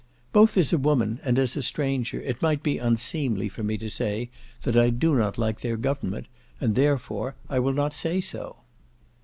Both as a woman, and as a stranger, it might be unseemly for me to say that I do not like their government, and therefore I will not say so.